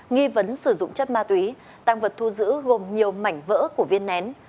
nghi vấn sử dụng chất ma túy tăng vật thu giữ gồm nhiều mảnh vỡ của viên nén